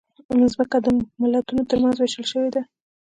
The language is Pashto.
مځکه د ملتونو ترمنځ وېشل شوې ده.